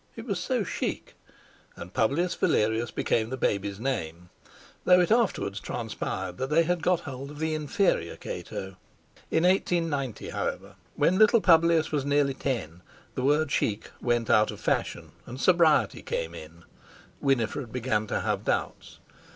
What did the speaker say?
It was so "chic." And Publius Valerius became the baby's name, though it afterwards transpired that they had got hold of the inferior Cato. In 1890, however, when little Publius was nearly ten, the word "chic" went out of fashion, and sobriety came in; Winifred began to have doubts.